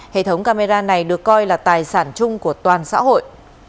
hệ thống camera này được coi là tài sản chung của toàn xã hội